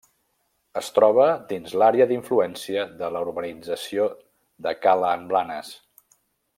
Es troba dins l'àrea d'influència de la urbanització de Cala en Blanes.